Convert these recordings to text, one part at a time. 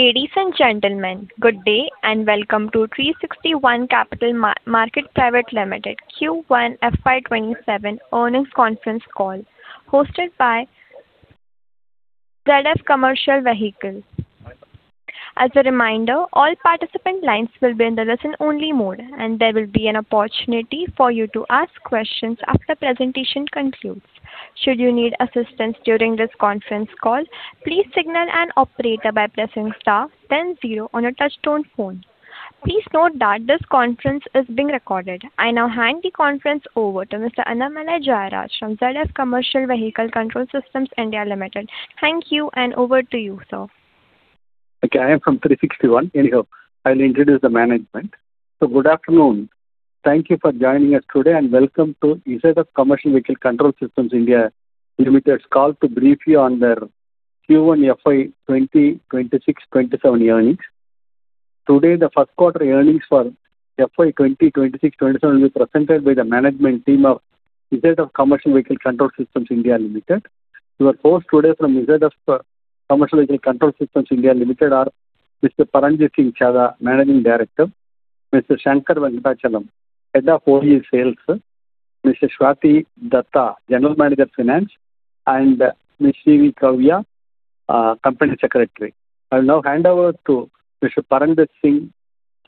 Ladies and gentlemen, good day. Welcome to 360 ONE Capital Market Private Limited Q1 FY 2027 earnings conference call, hosted by ZF Commercial Vehicle. As a reminder, all participant lines will be in the listen-only mode, and there will be an opportunity for you to ask questions after the presentation concludes. Should you need assistance during this conference call, please signal an operator by pressing star zero on your touchtone phone. Please note that this conference is being recorded. I now hand the conference over to Mr. Annamalai Jayaraj from ZF Commercial Vehicle Control Systems India Limited. Thank you. Over to you, sir. Okay. I am from 360 ONE. Anyhow, I'll introduce the management. Good afternoon. Thank you for joining us today. Welcome to ZF Commercial Vehicle Control Systems India Limited's call to brief you on their Q1 FY 2026/2027 earnings. Today, the first quarter earnings for FY 2026/2027 will be presented by the management team of ZF Commercial Vehicle Control Systems India Limited. Your hosts today from ZF Commercial Vehicle Control Systems India Limited are Mr. Paramjit Singh Chadha, Managing Director, Mr. Shankar Venkatachalam, Head of OE Sales, Mrs. Swathi Dutta, General Manager Finance, and Ms. C.V. Kavviya, Company Secretary. I'll now hand over to Mr. Paramjit Singh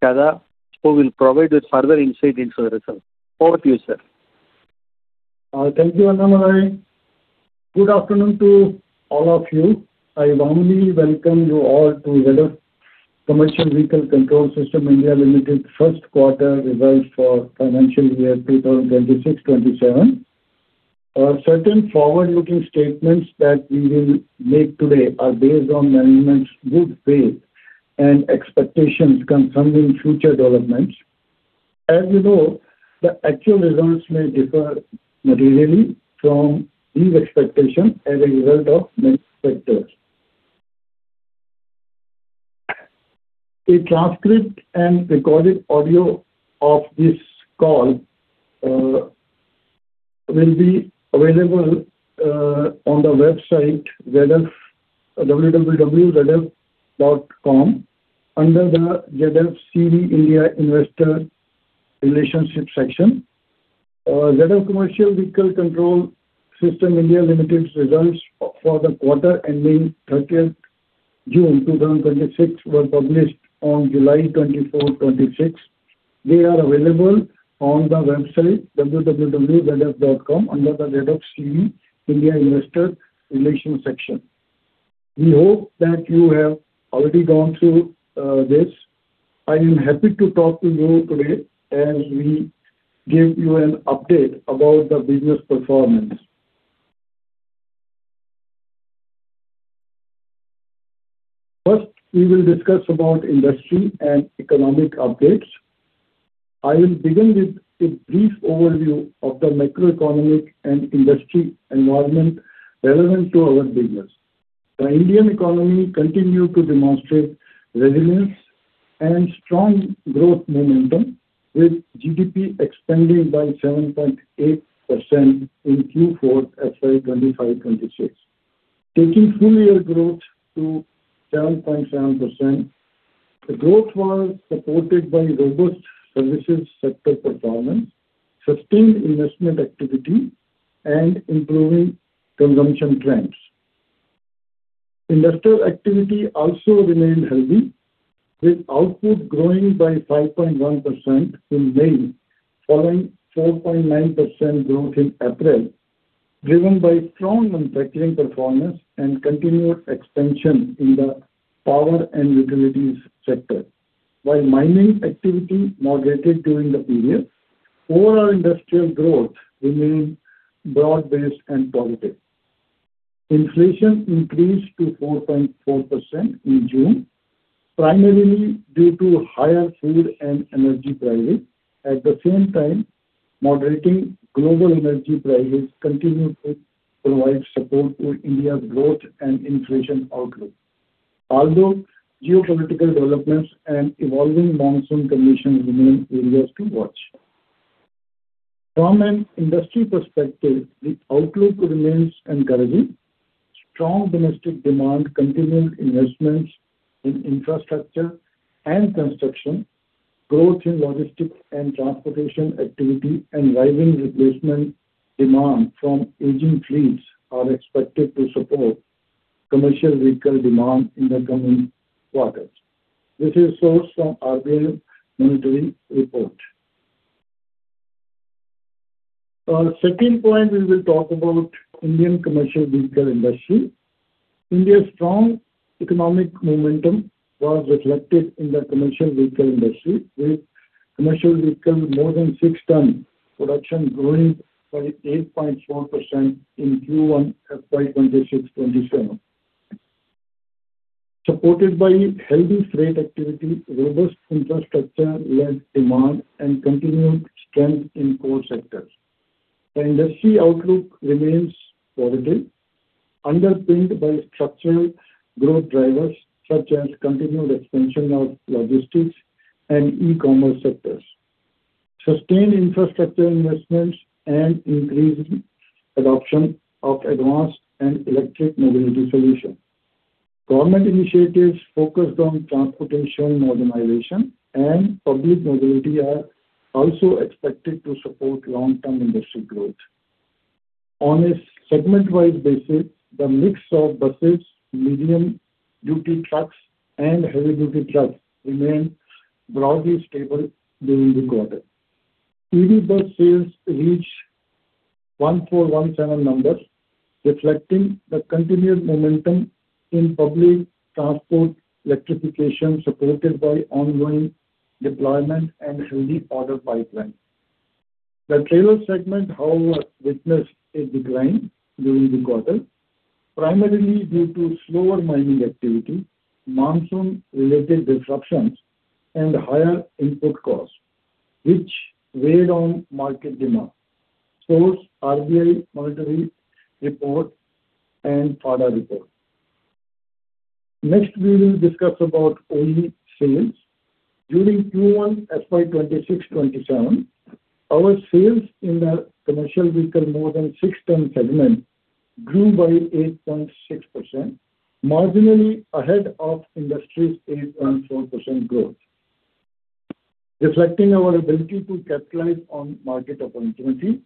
Chadha, who will provide you with further insight into the results. Over to you, sir. Thank you, Annamalai. Good afternoon to all of you. I warmly welcome you all to ZF Commercial Vehicle Control Systems India Limited first quarter results for financial year 2026/2027. Certain forward-looking statements that we will make today are based on management's good faith and expectations concerning future developments. As you know, the actual results may differ materially from these expectations as a result of many factors. A transcript and recorded audio of this call will be available on the website, www.zf.com, under the ZF CV India Investor Relations section. ZF Commercial Vehicle Control Systems India Limited's results for the quarter ending 30th June 2026 were published on July 24, 2026. They are available on the website www.zf.com under the ZF CV India Investor Relations section. We hope that you have already gone through this. I am happy to talk to you today as we give you an update about the business performance. First, we will discuss about industry and economic updates. I will begin with a brief overview of the macroeconomic and industry environment relevant to our business. The Indian economy continued to demonstrate resilience and strong growth momentum, with GDP expanding by 7.8% in Q4 FY 2025/2026, taking full year growth to 7.7%. The growth was supported by robust services sector performance, sustained investment activity, and improving consumption trends. Industrial activity also remained healthy, with output growing by 5.1% in May, following 4.9% growth in April, driven by strong manufacturing performance and continued expansion in the power and utilities sector. While mining activity moderated during the period, overall industrial growth remained broad-based and positive. Inflation increased to 4.4% in June, primarily due to higher food and energy prices. At the same time, moderating global energy prices continued to provide support to India's growth and inflation outlook, although geopolitical developments and evolving monsoon conditions remain areas to watch. From an industry perspective, the outlook remains encouraging. Strong domestic demand, continued investments in infrastructure and construction, growth in logistics and transportation activity, and rising replacement demand from aging fleets are expected to support commercial vehicle demand in the coming quarters. This is sourced from RBI Monetary Report. Second point, we will talk about Indian commercial vehicle industry. India's strong economic momentum was reflected in the commercial vehicle industry, with commercial vehicles more than six ton production growing by 8.4% in Q1 FY 2026/2027. Supported by healthy freight activity, robust infrastructure-led demand, and continued strength in core sectors. The industry outlook remains positive, underpinned by structural growth drivers such as continued expansion of logistics and e-commerce sectors. Sustained infrastructure investments and increased adoption of advanced and electric mobility solutions. Government initiatives focused on transportation modernization and public mobility are also expected to support long-term industry growth. On a segment-wide basis, the mix of buses, medium-duty trucks, and heavy-duty trucks remained broadly stable during the quarter. EV bus sales reached 1,417 numbers, reflecting the continued momentum in public transport electrification supported by ongoing deployment and healthy order pipeline. The trailer segment, however, witnessed a decline during the quarter, primarily due to slower mining activity, monsoon-related disruptions, and higher input costs, which weighed on market demand. Source: RBI Monetary Report and FADA report. Next, we will discuss about OE sales. During Q1 FY 2026/2027, our sales in the commercial vehicle more than six ton segment grew by 8.6%, marginally ahead of industry's 8.4% growth, reflecting our ability to capitalize on market opportunity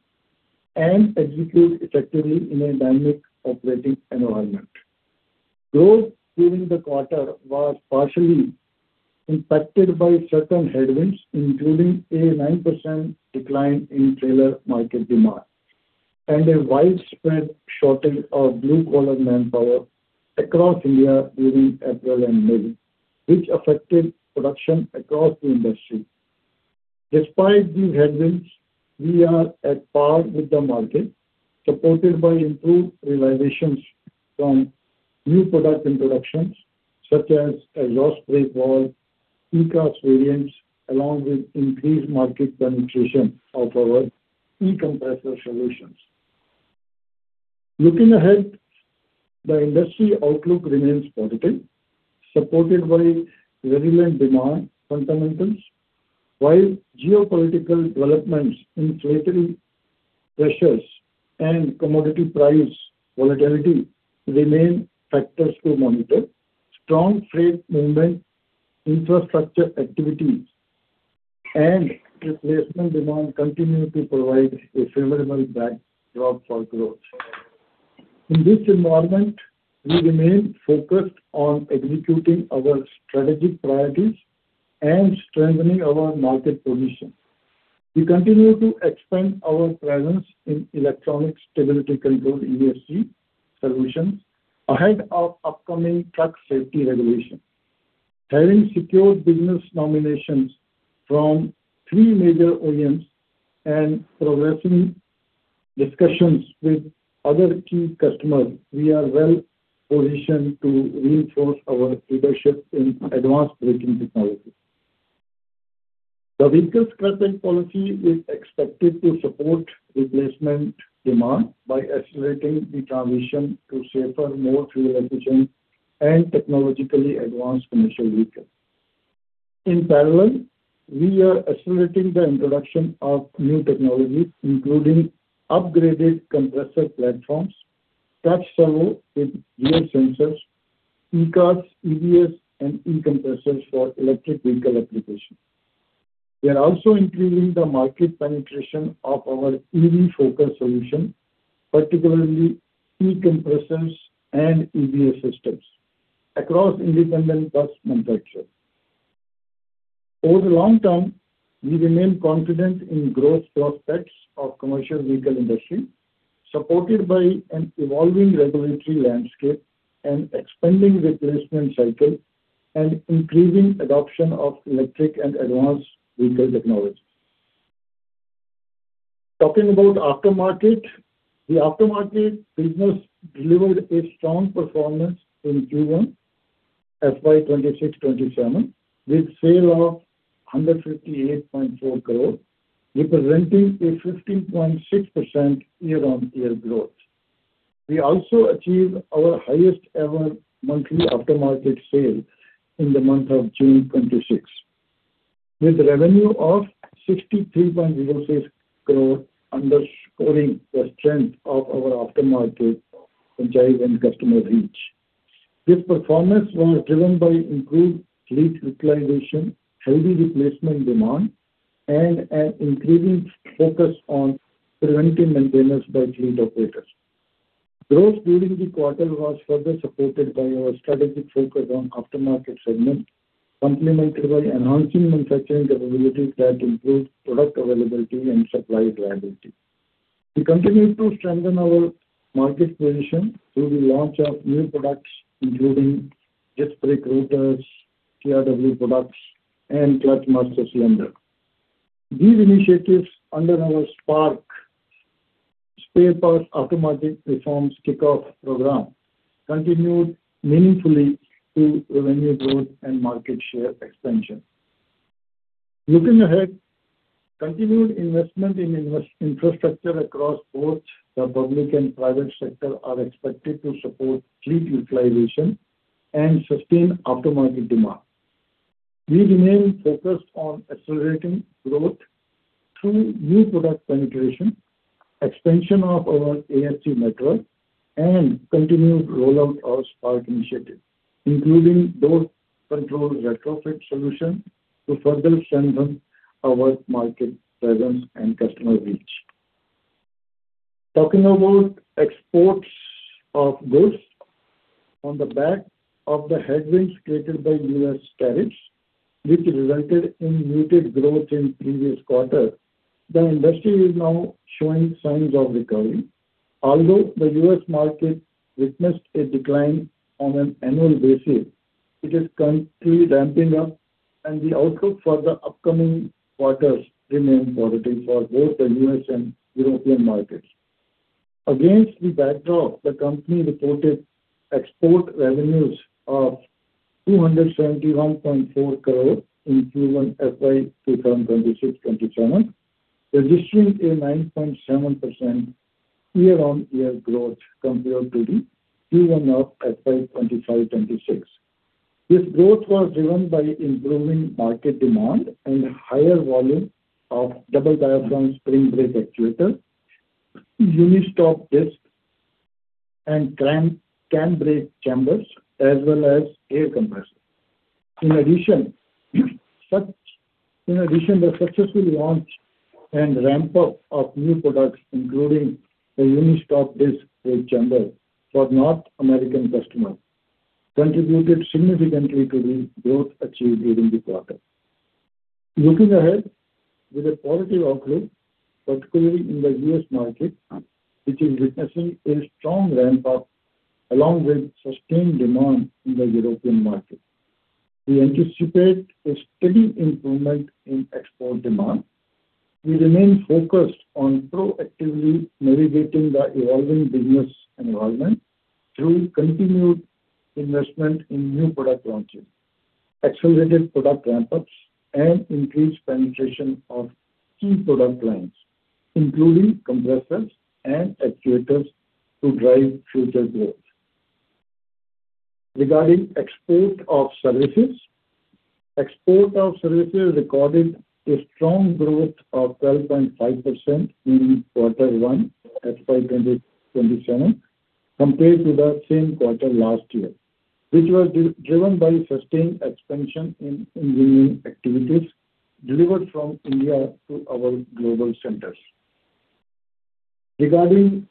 and execute effectively in a dynamic operating environment. Growth during the quarter was partially impacted by certain headwinds, including a 9% decline in trailer market demand and a widespread shortage of blue-collar manpower across India during April and May, which affected production across the industry. Despite these headwinds, we are at par with the market, supported by improved realizations from new product introductions such as exhaust brake valve, ECAS variants, along with increased market penetration of our e-compressor solutions. Looking ahead, the industry outlook remains positive, supported by resilient demand fundamentals. While geopolitical developments, inflationary pressures, and commodity price volatility remain factors to monitor, strong freight movement, infrastructure activity, and replacement demand continue to provide a favorable backdrop for growth. In this environment, we remain focused on executing our strategic priorities and strengthening our market position. We continue to expand our presence in electronic stability control, ESC solutions, ahead of upcoming truck safety regulations. Having secured business nominations from three major OEMs and progressing discussions with other key customers, we are well-positioned to reinforce our leadership in advanced braking technology. The Vehicle Scrappage Policy is expected to support replacement demand by accelerating the transition to safer, more fuel-efficient, and technologically advanced commercial vehicles. In parallel, we are accelerating the introduction of new technologies, including upgraded compressor platforms, clutch servo with wheel sensors, ECAS, EVAs, and e-compressors for electric vehicle applications. We are also increasing the market penetration of our EV-focused solutions, particularly e-compressors and EVA systems, across independent bus manufacturers. Over the long term, we remain confident in growth prospects of commercial vehicle industry, supported by an evolving regulatory landscape, an expanding replacement cycle, and increasing adoption of electric and advanced vehicle technology. Talking about aftermarket. The aftermarket business delivered a strong performance in Q1 FY 2026/2027, with sale of 158.4 crore, representing a 15.6% year-on-year growth. We also achieved our highest ever monthly aftermarket sale in the month of June 2026, with revenue of 63.06 crore, underscoring the strength of our aftermarket franchise and customer reach. This performance was driven by improved fleet utilization, heavy replacement demand, and an increasing focus on preventive maintenance by fleet operators. Growth during the quarter was further supported by our strategic focus on aftermarket segment, complemented by enhancing manufacturing capabilities that improved product availability and supply reliability. We continue to strengthen our market position through the launch of new products, including disc brake rotors, TRW products, and clutch master cylinder. These initiatives under our SPARK, Spare Parts Automatic Reforms Kickoff program, contributed meaningfully to revenue growth and market share expansion. Looking ahead, continued investment in infrastructure across both the public and private sector are expected to support fleet utilization and sustain aftermarket demand. We remain focused on accelerating growth through new product penetration, expansion of our ASE network, and continued rollout of SPARK initiatives, including door control retrofit solution to further strengthen our market presence and customer reach. Talking about exports of goods. On the back of the headwinds created by U.S. tariffs, which resulted in muted growth in previous quarter, the industry is now showing signs of recovery. Although the U.S. market witnessed a decline on an annual basis, it is currently ramping up, and the outlook for the upcoming quarters remains positive for both the U.S. and European markets. Against the backdrop, the company reported export revenues of 271.4 crore in Q1 FY 2026/2027, registering a 9.7% year-on-year growth compared to the Q1 of FY 2025/2026. This growth was driven by improving market demand and higher volume of double diaphragm spring brake actuator, uni-stop disc, and cam brake chambers, as well as air compressor. In addition, the successful launch and ramp-up of new products, including the uni-stop disc brake chamber for North American customers, contributed significantly to the growth achieved during the quarter. Looking ahead with a positive outlook, particularly in the U.S. market, which is witnessing a strong ramp-up along with sustained demand in the European market. We anticipate a steady improvement in export demand. We remain focused on proactively navigating the evolving business environment through continued investment in new product launches, accelerated product ramp-ups, and increased penetration of key product lines, including compressors and actuators to drive future growth. Regarding export of services. Export of services recorded a strong growth of 12.5% in quarter one FY 2026/2027 compared to the same quarter last year, which was driven by sustained expansion in engineering activities delivered from India to our global centers. Regarding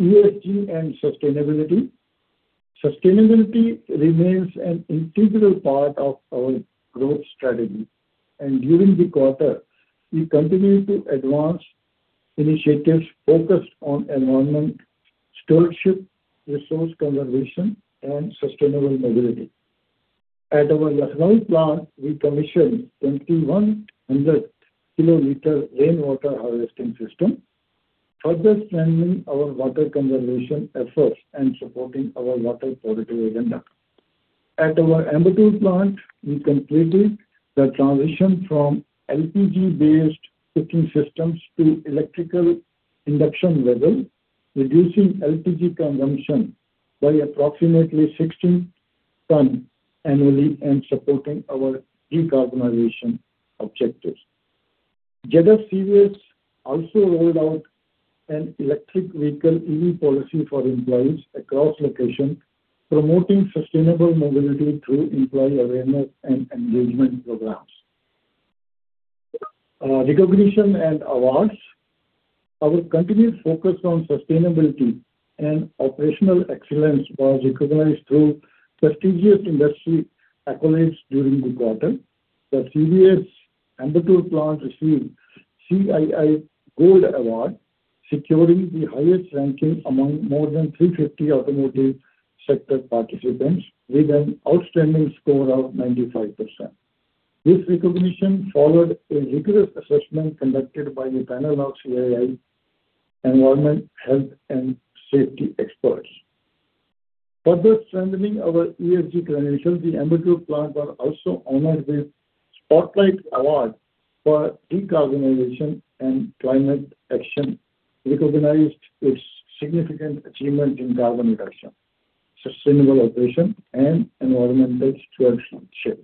ESG and sustainability. Sustainability remains an integral part of our growth strategy. During the quarter, we continued to advance initiatives focused on environmental stewardship, resource conservation, and sustainable mobility. At our Lucknow plant, we commissioned 2,100 kl rainwater harvesting system, further strengthening our water conservation efforts and supporting our water positive agenda. At our Ambattur Plant, we completed the transition from LPG-based cooking systems to electrical induction level, reducing LPG consumption by approximately 16 ton annually and supporting our decarbonization objectives. ZF CVS also rolled out an electric vehicle EV policy for employees across locations, promoting sustainable mobility through employee awareness and engagement programs. Recognition and awards. Our continued focus on sustainability and operational excellence was recognized through prestigious industry accolades during the quarter. The ZF CVS Ambattur Plant received CII Gold Award, securing the highest ranking among more than 350 automotive sector participants with an outstanding score of 95%. This recognition followed a rigorous assessment conducted by a panel of CII environment health and safety experts. Strengthening our ESG credentials, the Ambattur Plant was also honored with Spotlight Award for Decarbonization and Climate Action, recognized its significant achievement in carbon reduction, sustainable operation, and environmental stewardship.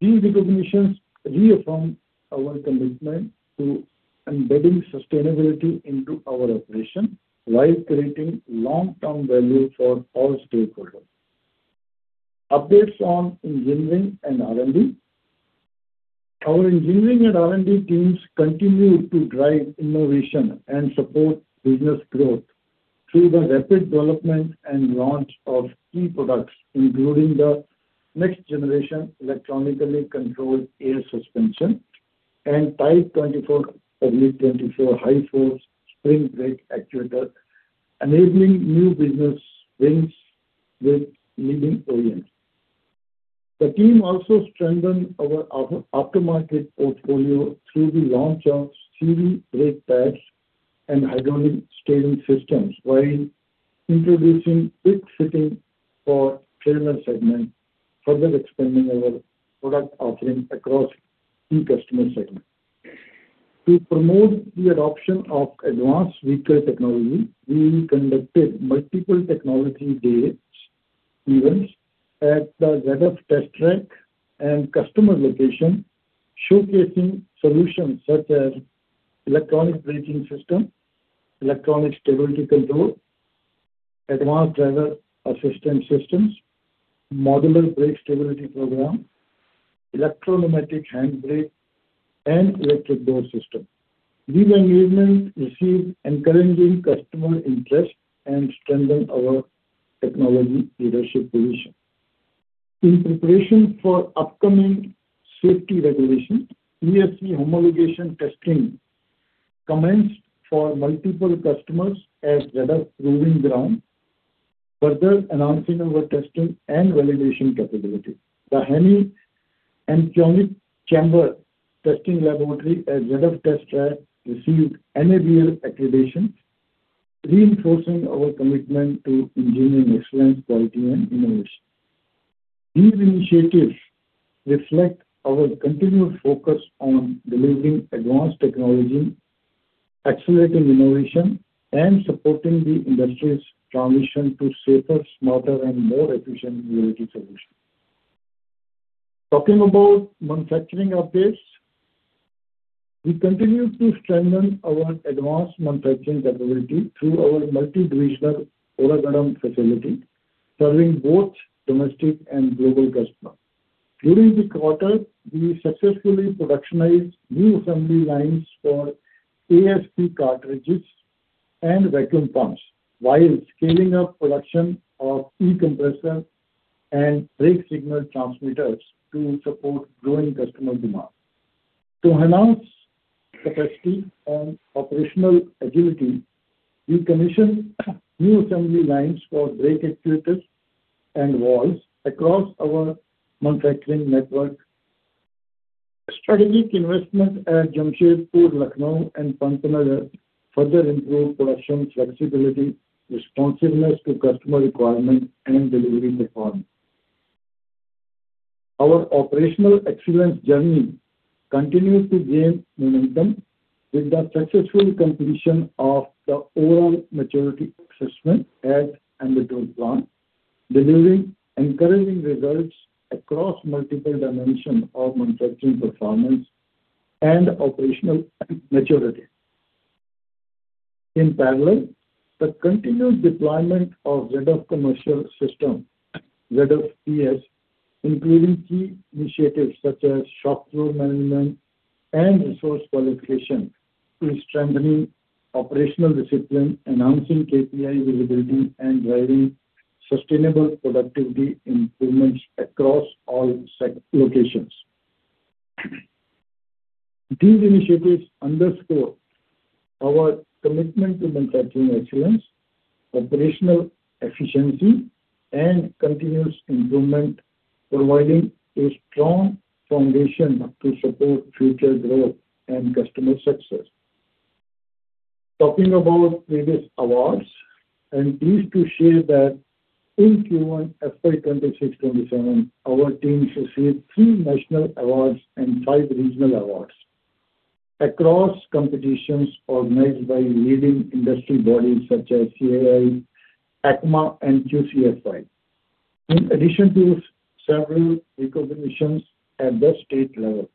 These recognitions reaffirm our commitment to embedding sustainability into our operation while creating long-term value for all stakeholders. Updates on engineering and R&D. Our engineering and R&D teams continued to drive innovation and support business growth through the rapid development and launch of key products, including the next generation electronically controlled air suspension and Type 24/LE 24 high force spring brake actuator, enabling new business wins with leading OEMs. The team also strengthened our aftermarket portfolio through the launch of CV brake pads and hydraulic steering systems while introducing quick fitting for trailer segment, further expanding our product offering across key customer segments. To promote the adoption of advanced vehicle technology, we conducted multiple technology days events at the ZF Test Track and customer location, showcasing solutions such as electronic braking system, electronic stability control, advanced driver assistance systems, modular braking system platform, Electro-Pneumatic Handbrake, and electric door system. These engagements received encouraging customer interest and strengthen our technology leadership position. In preparation for upcoming safety regulations, ECE homologation testing commenced for multiple customers at ZF Proving Ground, further enhancing our testing and validation capability. The anechoic chamber testing laboratory at ZF Test Track received NABL accreditation, reinforcing our commitment to engineering excellence, quality, innovation. These initiatives reflect our continued focus on delivering advanced technology, accelerating innovation, and supporting the industry's transition to safer, smarter, and more efficient mobility solutions. Talking about manufacturing updates, we continue to strengthen our advanced manufacturing capability through our multidivisional Oragadam facility, serving both domestic and global customers. During the quarter, we successfully productionized new assembly lines for ASP cartridges and vacuum pumps, while scaling up production of e-compressor and brake signal transmitters to support growing customer demand. To enhance capacity and operational agility, we commissioned new assembly lines for brake actuators and valves across our manufacturing network. Strategic investment at Jamshedpur, Lucknow and Pantnagar further improved production flexibility, responsiveness to customer requirements, and delivery performance. Our operational excellence journey continued to gain momentum with the successful completion of the overall maturity assessment at Ambattur Plant, delivering encouraging results across multiple dimensions of manufacturing performance and operational maturity. In parallel, the continued deployment of ZF Production System, ZF PS, including key initiatives such as shop floor management and resource qualification, is strengthening operational discipline, enhancing KPI visibility, and driving sustainable productivity improvements across all site locations. These initiatives underscore our commitment to manufacturing excellence, operational efficiency, and continuous improvement, providing a strong foundation to support future growth and customer success. Talking about previous awards, I'm pleased to share that in Q1 FY 2026/2027, our team received three national awards and five regional awards across competitions organized by leading industry bodies such as CII, ACMA, and QCFI, in addition to several recognitions at the state level.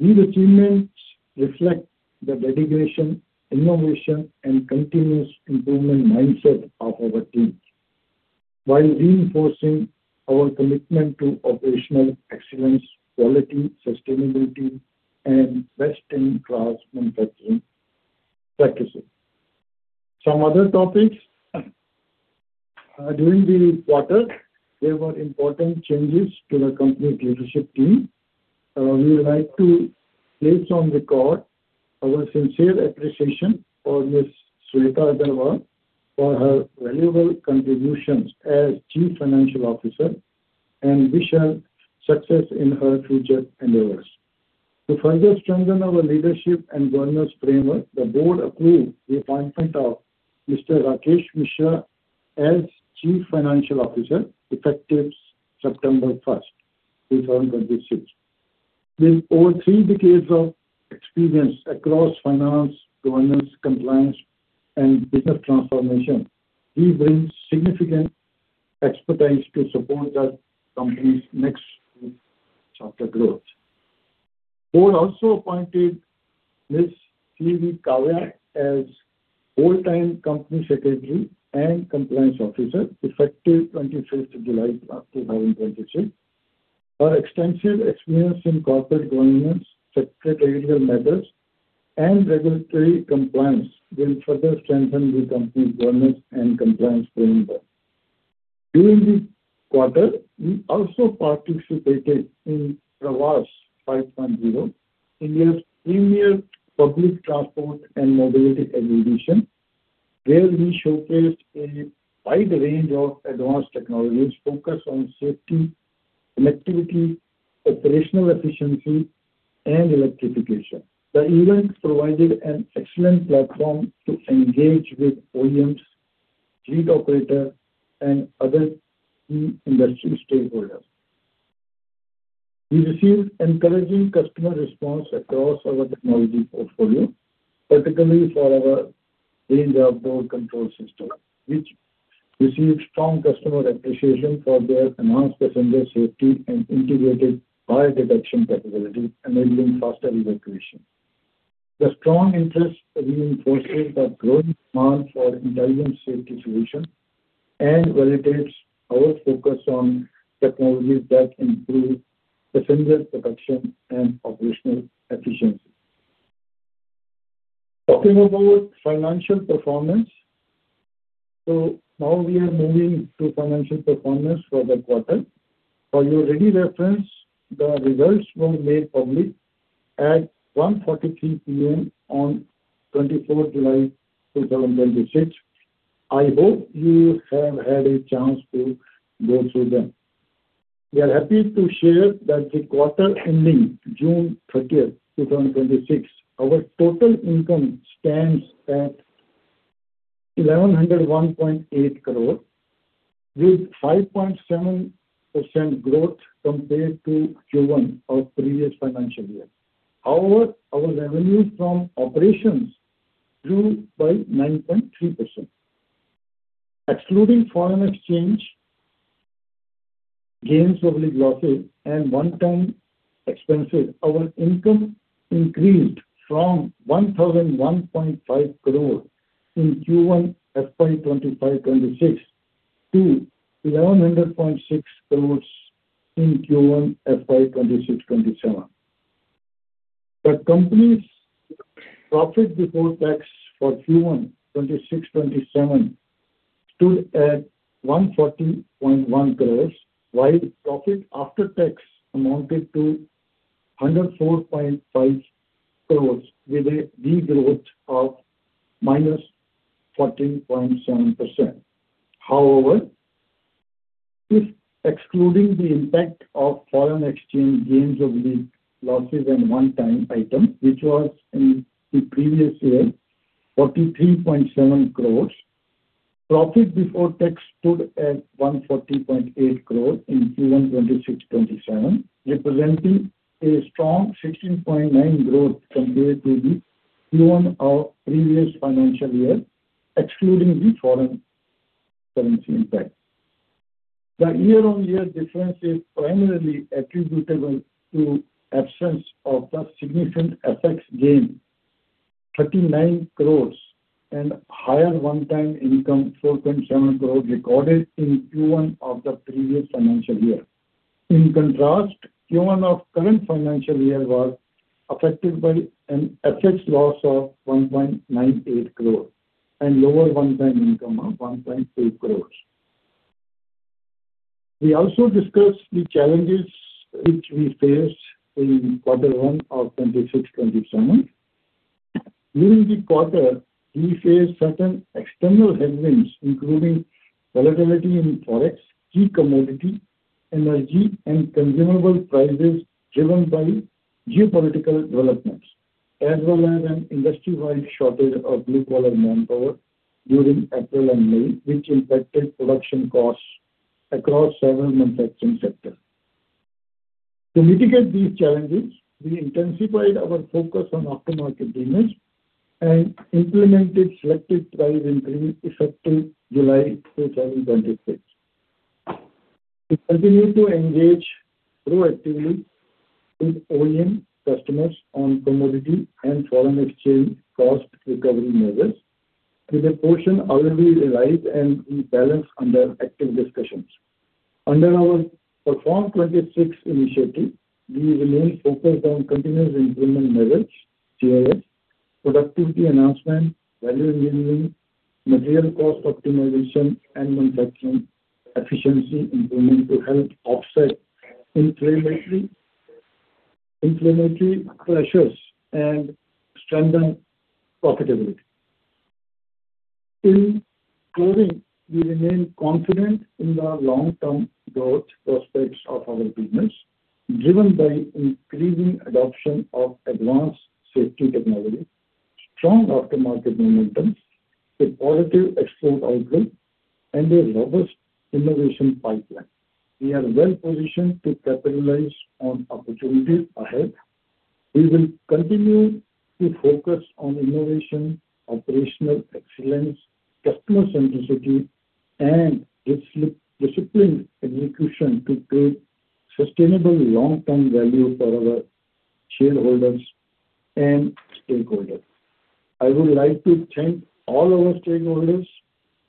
These achievements reflect the dedication, innovation, and continuous improvement mindset of our teams, while reinforcing our commitment to operational excellence, quality, sustainability, and best-in-class manufacturing practices. Some other topics. During the quarter, there were important changes to the company's leadership team. We would like to place on record our sincere appreciation for Ms. Sweta Agarwal for her valuable contributions as Chief Financial Officer and wish her success in her future endeavors. To further strengthen our leadership and governance framework, the board approved the appointment of Mr. Rakesh Mishra as Chief Financial Officer effective September 1, 2026. With over three decades of experience across finance, governance, compliance, and business transformation, he brings significant expertise to support the company's next chapter growth. The board also appointed Ms. C.V. Kavviya as full-time Company Secretary and Compliance Officer effective July 25, 2026. Her extensive experience in corporate governance, secretarial matters, and regulatory compliance will further strengthen the company's governance and compliance framework. During this quarter, we also participated in Prawaas 5.0, India's premier public transport and mobility exhibition, where we showcased a wide range of advanced technologies focused on safety, connectivity, operational efficiency, and electrification. The event provided an excellent platform to engage with OEMs, fleet operators, and other key industry stakeholders. We received encouraging customer response across our technology portfolio, particularly for our range of door control systems, which received strong customer appreciation for their enhanced passenger safety and integrated fire detection capabilities, enabling faster evacuation. The strong interest reinforces the growing demand for intelligent safety solutions and validates our focus on technologies that improve passenger protection and operational efficiency. Talking about financial performance. Now we are moving to financial performance for the quarter. For your ready reference, the results were made public at 1:43 P.M. on July 24, 2026. I hope you have had a chance to go through them. We are happy to share that the quarter ending June 30, 2026, our total income stands at 1,101.8 crore with 5.7% growth compared to Q1 of the previous financial year. Our revenues from operations grew by 9.3%. Excluding foreign exchange gains or losses and one-time expenses, our income increased from 1,001.5 crore in Q1 FY 2025/2026 to 1,100.6 crore in Q1 FY 2026/2027. The company's profit before tax for Q1 2026/2027 stood at 140.1 crore, while profit after tax amounted to 104.5 crore with a de-growth of -14.7%. However, excluding the impact of foreign exchange gains or losses and one-time item, which was in the previous year, 43.7 crore, profit before tax stood at 140.8 crore in Q1 2026/2027, representing a strong 16.9% growth compared to Q1 of the previous financial year, excluding the foreign currency impact. The year-on-year difference is primarily attributable to absence of the significant FX gain, 39 crore, and higher one-time income, 4.7 crore, recorded in Q1 of the previous financial year. In contrast, Q1 of current financial year was affected by an FX loss of 1.98 crore and lower one-time income of 1.2 crore. We also discussed the challenges which we faced in quarter one of 2026/2027. During the quarter, we faced certain external headwinds, including volatility in Forex, key commodity, energy, and consumable prices driven by geopolitical developments, as well as an industry-wide shortage of blue-collar manpower during April and May, which impacted production costs across several manufacturing sectors. To mitigate these challenges, we intensified our focus on aftermarket business and implemented selective price increase effective July 2026. We continue to engage proactively with OEM customers on commodity and foreign exchange cost recovery measures, with a portion already realized and in balance under active discussions. Under our Perform 26 initiative, we remain focused on continuous improvement measures, CIS, productivity enhancement, value engineering, material cost optimization, and manufacturing efficiency improvement to help offset inflationary pressures and strengthen profitability. In closing, we remain confident in the long-term growth prospects of our business, driven by increasing adoption of advanced safety technology, strong aftermarket momentum, a positive export outlook, and a robust innovation pipeline. We are well-positioned to capitalize on opportunities ahead. We will continue to focus on innovation, operational excellence, customer centricity, and disciplined execution to create sustainable long-term value for our shareholders and stakeholders. I would like to thank all our stakeholders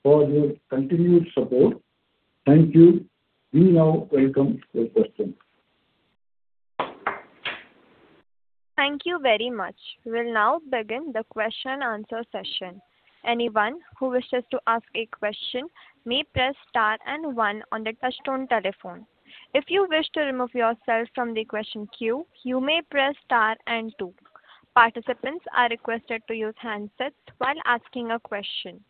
for their continued support. Thank you. We now welcome your questions. Thank you very much. We'll now begin the question-and-answer session. Anyone who wishes to ask a question may press star and one on the touchtone telephone. If you wish to remove yourself from the question queue, you may press star and two. Participants are requested to use handsets while asking a question.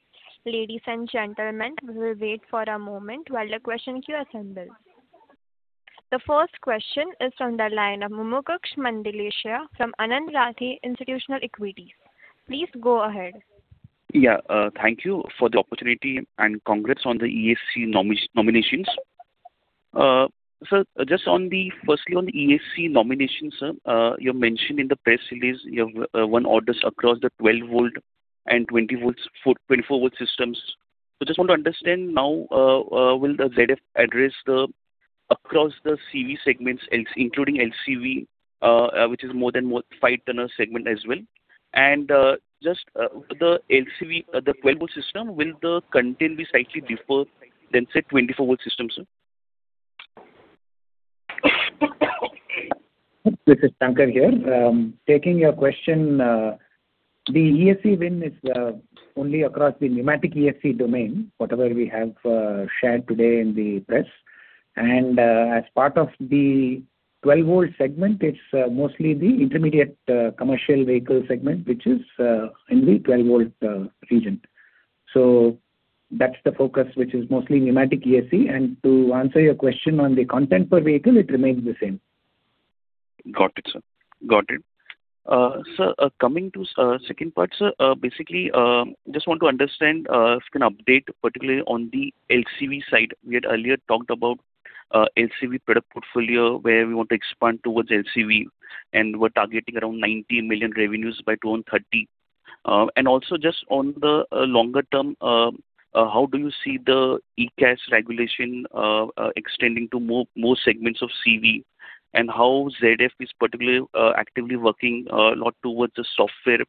Ladies and gentlemen, we will wait for a moment while the question queue assembles. The first question is from the line of Mumuksh Mandlesha from Anand Rathi Institutional Equities. Please go ahead. Yeah. Thank you for the opportunity, and congrats on the ESC nominations. Sir, firstly on the ESC nomination, sir, you mentioned in the press release you have won orders across the 12 volt and 24 volt systems. Just want to understand now, will the ZF address across the CV segments, including LCV, which is more than 5 tonner segment as well? And just the LCV, the 12 volt system, will the content be slightly different than, say, 24 volt systems, sir? This is Shankar here. Taking your question, the ESC win is only across the pneumatic ESC domain, whatever we have shared today in the press. As part of the 12 volt segment, it's mostly the intermediate commercial vehicle segment, which is in the 12 volt region. That's the focus, which is mostly pneumatic ESC. To answer your question on the content per vehicle, it remains the same. Got it, sir. Sir, coming to second part, sir. Basically, just want to understand if you can update, particularly on the LCV side. We had earlier talked about LCV product portfolio, where we want to expand towards LCV, and we're targeting around 19 million revenues by 2030. Also just on the longer term, how do you see the eCATS regulation extending to more segments of CV? How ZF is particularly actively working a lot towards the software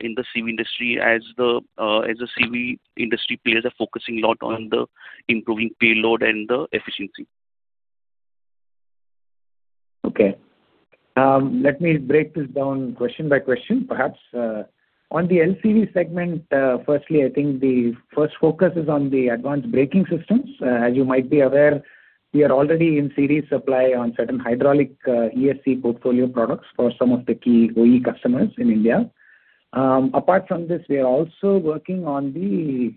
in the CV industry as the CV industry players are focusing a lot on the improving payload and the efficiency. Okay. Let me break this down question by question, perhaps. On the LCV segment, firstly, I think the first focus is on the advanced braking systems. As you might be aware, we are already in series supply on certain hydraulic ESC portfolio products for some of the key OE customers in India. Apart from this, we are also working on the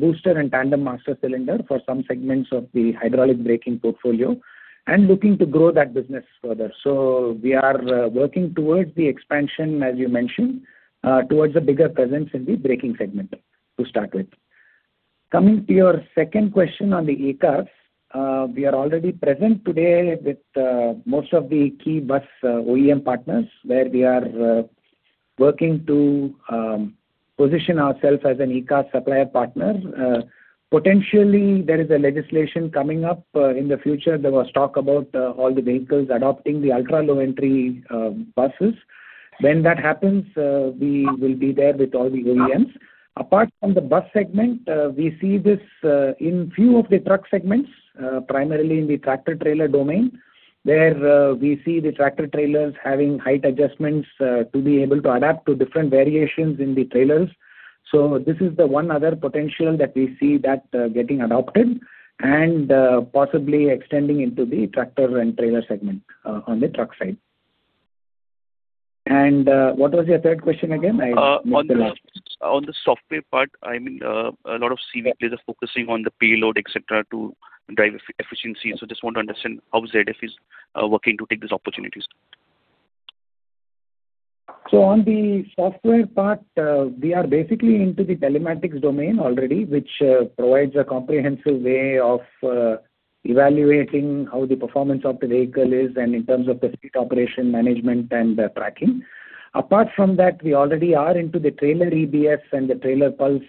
booster and tandem master cylinder for some segments of the hydraulic braking portfolio and looking to grow that business further. We are working towards the expansion, as you mentioned, towards a bigger presence in the braking segment to start with. Coming to your second question on the eCATS. We are already present today with most of the key bus OEM partners, where we are working to position ourself as an eCATS supplier partner. Potentially, there is a legislation coming up in the future. There was talk about all the vehicles adopting the ultra-low entry buses. When that happens, we will be there with all the OEMs. Apart from the bus segment, we see this in few of the truck segments, primarily in the tractor-trailer domain, where we see the tractor-trailers having height adjustments to be able to adapt to different variations in the trailers. This is the one other potential that we see that getting adopted and possibly extending into the tractor and trailer segment on the truck side. What was your third question again? I missed the last. On the software part, a lot of CV players are focusing on the payload, et cetera, to drive efficiency. Just want to understand how ZF is working to take these opportunities. On the software part, we are basically into the telematics domain already, which provides a comprehensive way of evaluating how the performance of the vehicle is and in terms of the fleet operation management and tracking. Apart from that, we already are into the trailer EBS and the trailer pulse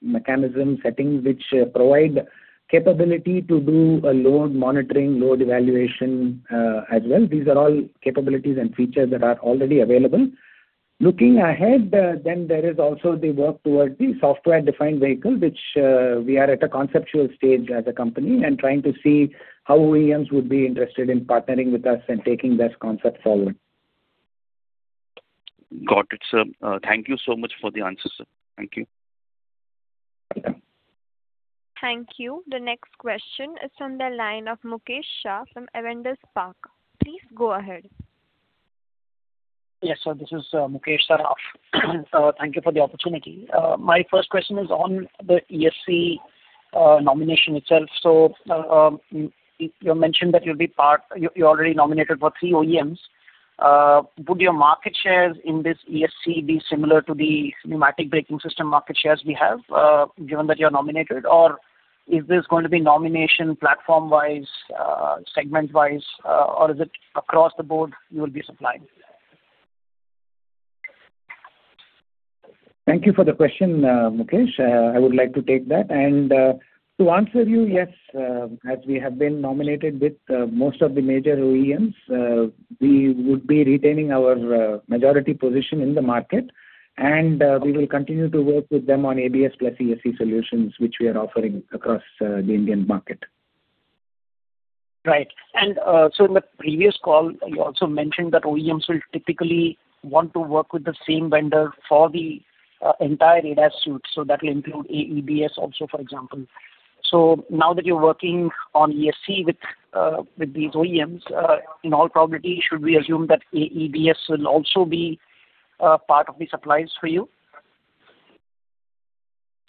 mechanism setting, which provide capability to do a load monitoring, load evaluation, as well. These are all capabilities and features that are already available. Looking ahead, there is also the work towards the software-defined vehicle, which we are at a conceptual stage as a company and trying to see how OEMs would be interested in partnering with us and taking that concept forward. Got it, sir. Thank you so much for the answer, sir. Thank you. Okay. Thank you. The next question is on the line of Mukesh Saraf from Avendus Spark. Please go ahead. Yes, sir, this is Mukesh Saraf. Thank you for the opportunity. My first question is on the ESC nomination itself. You mentioned that you already nominated for three OEMs. Would your market shares in this ESC be similar to the pneumatic braking system market shares we have, given that you're nominated? Is this going to be nomination platform wise, segment wise, or is it across the board you will be supplying? Thank you for the question, Mukesh. I would like to take that. To answer you, yes. As we have been nominated with most of the major OEMs, we would be retaining our majority position in the market, and we will continue to work with them on ABS plus ESC solutions, which we are offering across the Indian market. Right. In the previous call, you also mentioned that OEMs will typically want to work with the same vendor for the entire ADAS suite, so that will include AEBS also, for example. Now that you're working on ESC with these OEMs, in all probability, should we assume that AEBS will also be part of the supplies for you?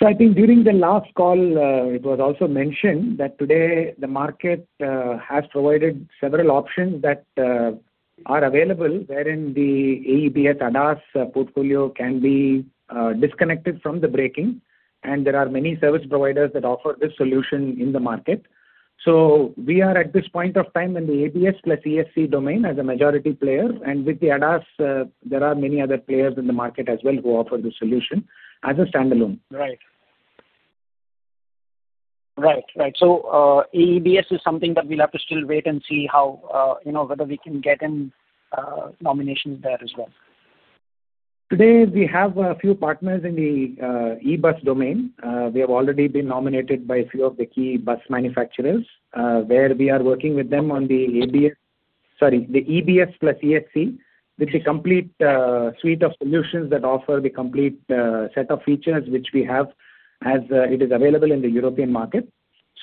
I think during the last call, it was also mentioned that today the market has provided several options that are available, wherein the AEBS ADAS portfolio can be disconnected from the braking, and there are many service providers that offer this solution in the market. We are at this point of time in the AEBS plus ESC domain as a majority player, and with the ADAS, there are many other players in the market as well who offer the solution as a standalone. Right. AEBS is something that we'll have to still wait and see whether we can get in nominations there as well. Today, we have a few partners in the e-bus domain. We have already been nominated by a few of the key bus manufacturers, where we are working with them on the AEBS Sorry, the AEBS plus ESC, which is a complete suite of solutions that offer the complete set of features which we have as it is available in the European market.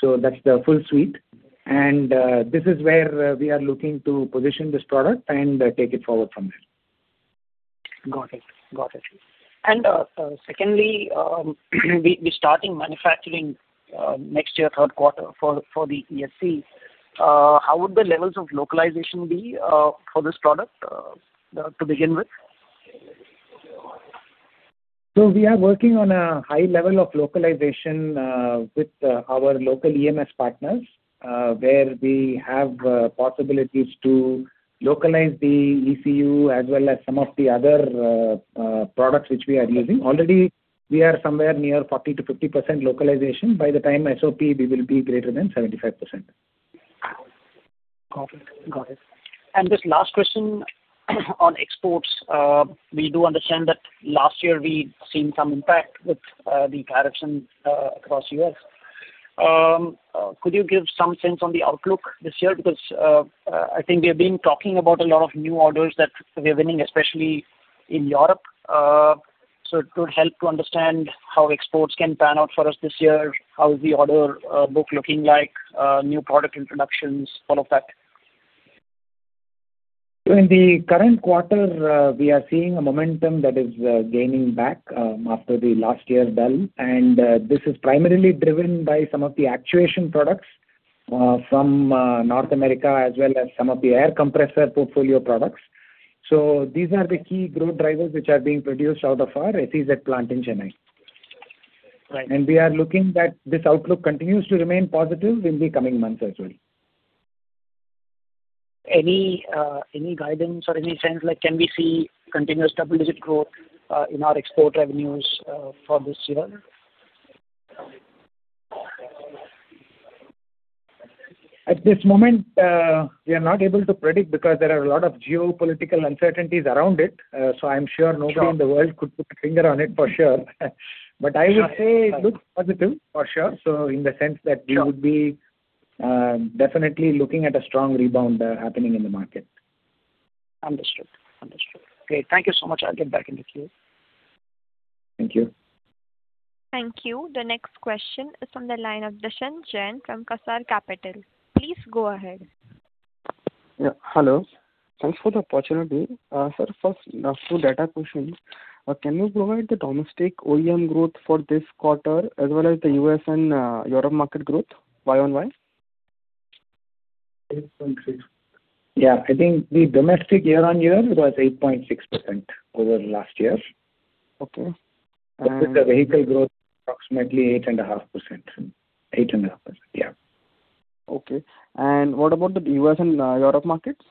That's the full suite, and this is where we are looking to position this product and take it forward from there. Got it. Secondly, be starting manufacturing next year, third quarter, for the ESC. How would the levels of localization be for this product to begin with? We are working on a high level of localization with our local EMS partners, where we have possibilities to localize the ECU as well as some of the other products which we are using. Already, we are somewhere near 40%-50% localization. By the time SOP, we will be greater than 75%. Got it. This last question on exports, we do understand that last year we've seen some impact with the tariffs across U.S. Could you give some sense on the outlook this year? I think we have been talking about a lot of new orders that we are winning, especially in Europe. It would help to understand how exports can pan out for us this year, how's the order book looking like, new product introductions, all of that. In the current quarter, we are seeing a momentum that is gaining back after the last year's lull. This is primarily driven by some of the actuation products from North America as well as some of the air compressor portfolio products. These are the key growth drivers which are being produced out of our SEZ plant in Chennai. Right. We are looking that this outlook continues to remain positive in the coming months as well. Any guidance or any sense, like can we see continuous double-digit growth in our export revenues for this year? At this moment, we are not able to predict because there are a lot of geopolitical uncertainties around it. Sure Nobody in the world could put a finger on it, for sure. I would say it looks positive, for sure. Sure We would be definitely looking at a strong rebound happening in the market. Understood. Great. Thank you so much. I'll get back in the queue. Thank you. Thank you. The next question is from the line of Dishant Jain from Quasar Capital. Please go ahead. Yeah, hello. Thanks for the opportunity. Sir, first, a few data questions. Can you provide the domestic OEM growth for this quarter as well as the U.S. and Europe market growth, Y-on-Y? 8.6%. Yeah, I think the domestic year-on-year was 8.6% over last year. Okay. With the vehicle growth, approximately 8.5%. 8.5%, yeah. Okay. What about the U.S. and Europe markets?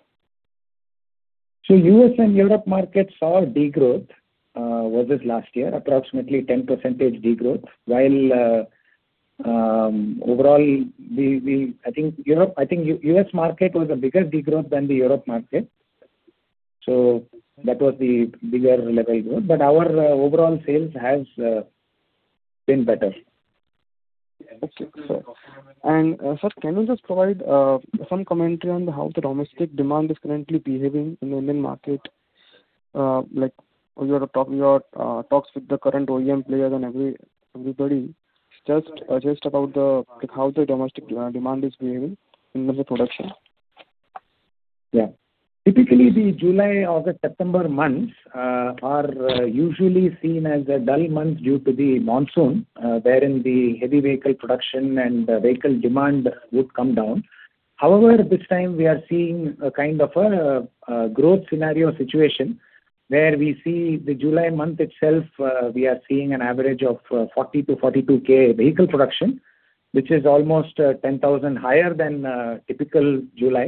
U.S. and Europe markets saw degrowth versus last year, approximately 10% degrowth. While overall, I think U.S. market was a bigger degrowth than the Europe market, so that was the bigger level growth. Our overall sales has been better. Okay, sir. Sir, can you just provide some commentary on how the domestic demand is currently behaving in the Indian market? Like your talks with the current OEM players and everybody, just about how the domestic demand is behaving in terms of production. Yeah. Typically, the July, August, September months are usually seen as the dull months due to the monsoon, wherein the heavy vehicle production and vehicle demand would come down. However, this time we are seeing a kind of a growth scenario situation, where we see the July month itself, we are seeing an average of 40,000-42,000 vehicle production, which is almost 10,000 higher than a typical July.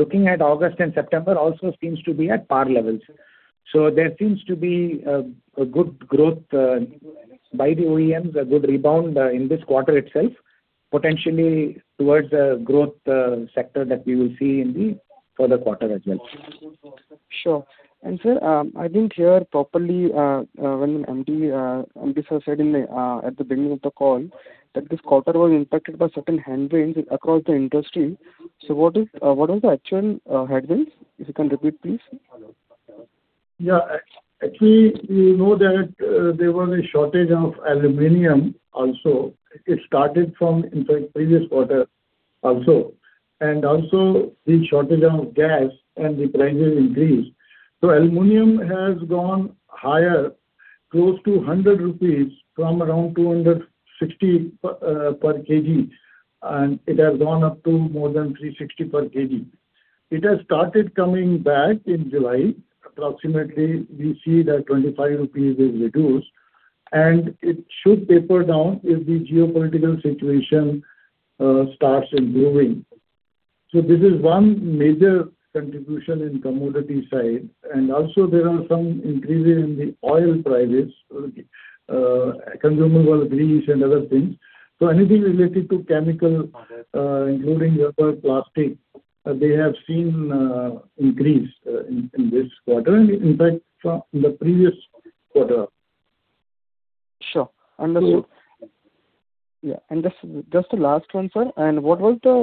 Looking at August and September also seems to be at par levels. There seems to be a good growth by the OEMs, a good rebound in this quarter itself, potentially towards a growth sector that we will see in the further quarter as well. Sure. Sir, I didn't hear properly when MD sir said at the beginning of the call that this quarter was impacted by certain headwinds across the industry. What was the actual headwinds? If you can repeat, please. Yeah. Actually, you know that there was a shortage of aluminum also. It started from, in fact, previous quarter. Also, the shortage of gas and the prices increased. Aluminum has gone higher, close to 100 rupees from around 260 per kg, and it has gone up to more than 360 per kg. It has started coming back in July, approximately we see that 25 rupees is reduced, and it should taper down if the geopolitical situation starts improving. This is one major contribution in commodity side. Also there are some increases in the oil prices, consumable grease and other things. Anything related to chemical, including rubber, plastic, they have seen increase in this quarter and in fact from the previous quarter. Sure. Understood. So- Yeah. Just the last one, sir. What was the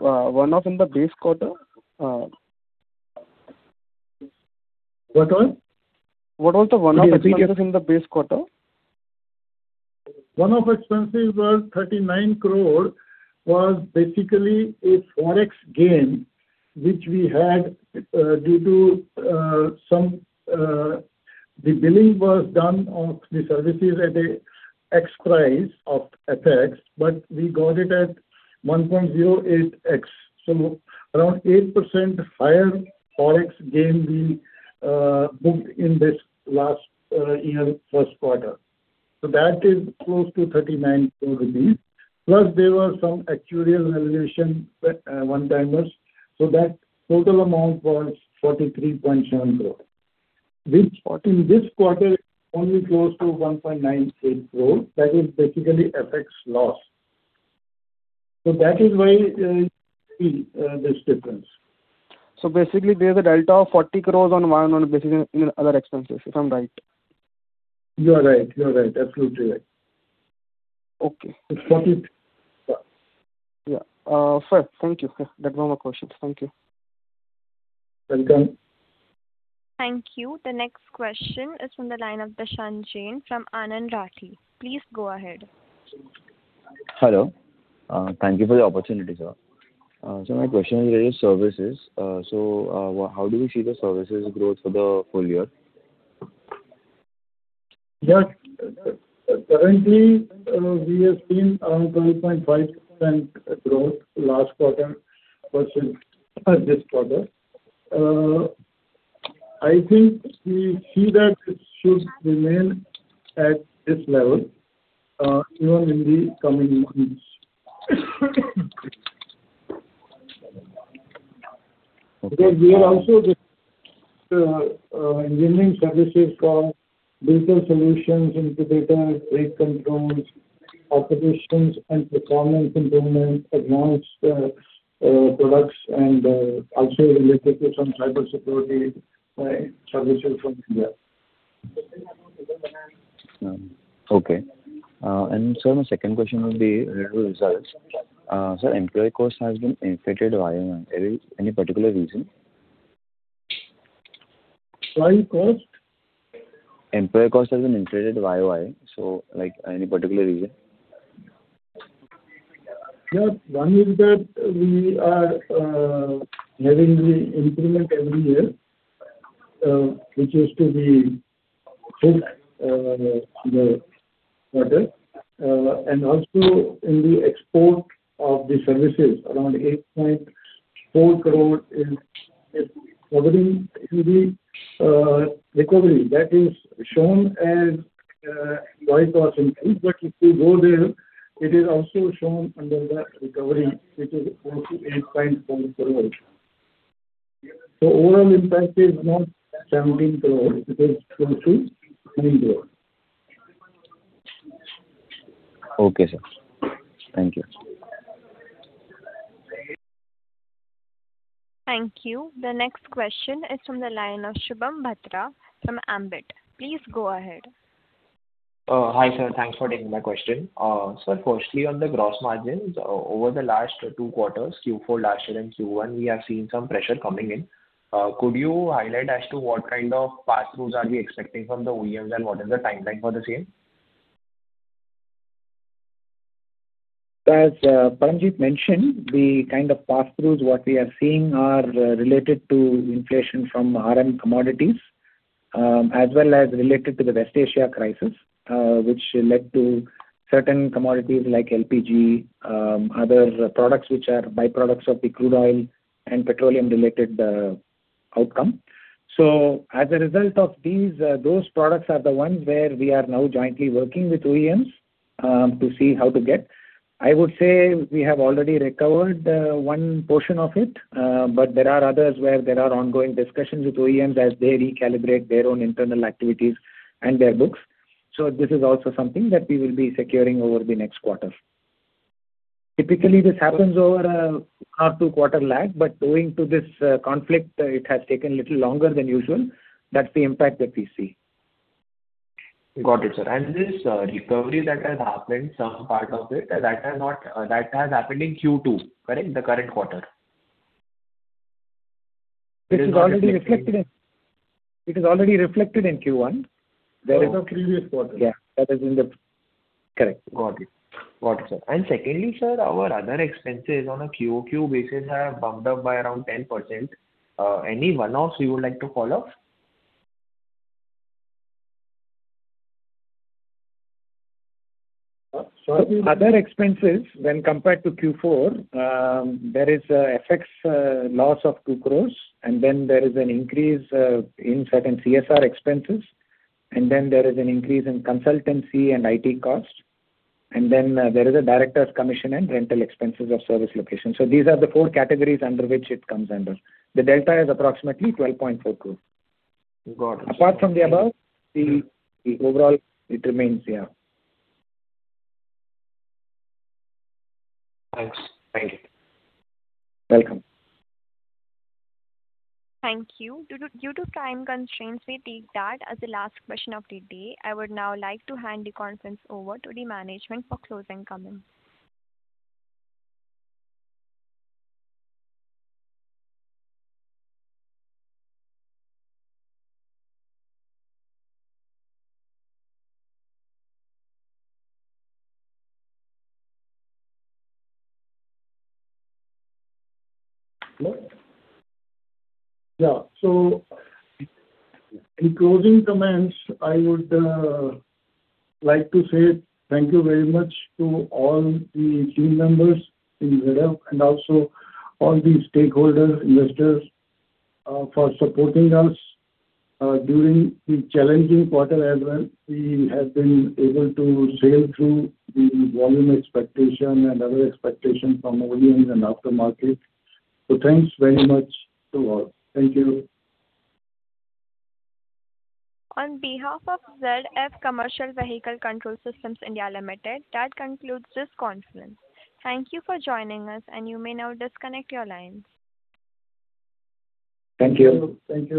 one-off in the base quarter? What was? What was the one-off- The expenses expenses in the base quarter? One-off expenses were 39 crore, was basically a forex gain, which we had due to the billing was done on the services at an x price of fx, but we got it at 1.08 x. Around 8% higher forex gain we booked in this last year first quarter. That is close to 39 crore rupees. Plus there were some actuarial valuation, one-timers. That total amount was 43.7 crore. In this quarter, only close to 1.98 crore. That is basically fx loss. That is why this difference. Basically there is a delta of 40 crore on one-off basis in other expenses, if I am right. You are right. Absolutely right. Okay. Is that it? Yeah. Sir, thank you. That's all my questions. Thank you. Welcome. Thank you. The next question is from the line of [Darshan Jain] from Anand Rathi. Please go ahead. Hello. Thank you for the opportunity, sir. My question is related to services. How do we see the services growth for the full year? Yes. Currently, we have seen a 12.5% growth last quarter versus this quarter. I think we see that it should remain at this level, even in the coming months. Okay. We are also delivering services for digital solutions into data lake controls, operations and performance improvement, advanced products, and also related to some cyber security services from India. Okay. Sir, my second question would be related to results. Sir, employee cost has been inflated YoY. Any particular reason? Employee cost? Employee cost has been inflated YoY. Any particular reason? Yeah. One is that we are having the increment every year, which is to be booked in the quarter. Also in the export of the services, around 8.4 crore is recovery in the recovery that is shown as y cost, but if you go there, it is also shown under that recovery, which is close to 8.4 crore. Overall impact is not 17 crore. It is close to 9 crore. Okay, sir. Thank you. Thank you. The next question is from the line of Shubham Bhatra from Ambit. Please go ahead. Hi, sir. Thanks for taking my question. Sir, firstly on the gross margins. Over the last two quarters, Q4 last year and Q1, we have seen some pressure coming in. Could you highlight as to what kind of pass-throughs are we expecting from the OEMs and what is the timeline for the same? As Paramjit mentioned, the kind of pass-throughs, what we are seeing are related to inflation from RM commodities, as well as related to the West Asia crisis, which led to certain commodities like LPG, other products which are byproducts of the crude oil and petroleum-related outcome. As a result of these, those products are the ones where we are now jointly working with OEMs to see how to get. I would say we have already recovered one portion of it, but there are others where there are ongoing discussions with OEMs as they recalibrate their own internal activities and their books. This is also something that we will be securing over the next quarters. Typically, this happens over a half to quarter lag, but owing to this conflict, it has taken a little longer than usual. That's the impact that we see. Got it, sir. This recovery that has happened, some part of it, that has happened in Q2, correct? The current quarter. This is already reflected in Q1. There is no previous quarter. Yeah. Correct. Got it, sir. Secondly, sir, our other expenses on a quarter-over-quarter basis have bumped up by around 10%. Any one-offs you would like to call off? Other expenses when compared to Q4, there is an FX loss of 2 crore, there is an increase in certain CSR expenses, there is an increase in consultancy and IT costs, there is a directors' commission and rental expenses of service location. These are the four categories under which it comes under. The delta is approximately 12.4 crore. Got it. Apart from the above, overall, it remains, yeah. Thanks. Thank you. Welcome. Thank you. Due to time constraints, we take that as the last question of the day. I would now like to hand the conference over to the management for closing comments. Yeah. In closing comments, I would like to say thank you very much to all the team members in ZF and also all the stakeholders, investors, for supporting us during the challenging quarter as well. We have been able to sail through the volume expectation and other expectation from OEMs and aftermarket. Thanks very much to all. Thank you. On behalf of ZF Commercial Vehicle Control Systems India Limited, that concludes this conference. Thank you for joining us and you may now disconnect your lines. Thank you everyone. Thank you.